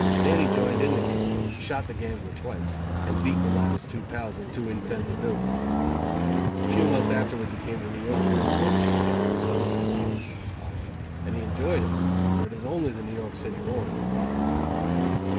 Dannie joined in the game, shot the gambler twice, and beat the latter's two pals into insensibility. A few months afterwards he came to New York with twenty seven hundred dollars in his pocket; and he enjoyed himself, for it is only the New York City born who love the town.